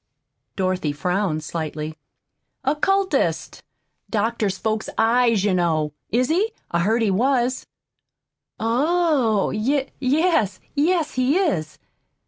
Dorothy frowned slightly. "Occultist doctors folks' eyes, you know. Is he? I heard he was." "Oh! Y yes yes, he is."